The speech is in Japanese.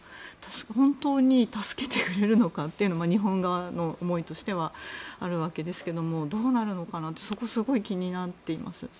本当に助けてくれるのかっていうのは日本側の思いとしてはあるわけですがどうなるのかなとそこがすごい気になっています。